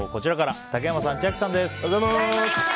竹山さん、千秋さんです。